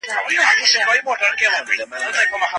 هغې په خپلو پښو کې د ستړیا او یوازیتوب درد حس کاوه.